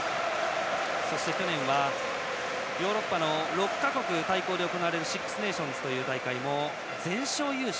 そして去年はヨーロッパの６か国対抗のシックス・ネーションズでも全勝優勝。